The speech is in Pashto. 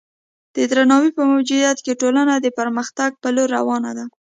د درناوي په موجودیت کې ټولنه د پرمختګ په لور روانه ده.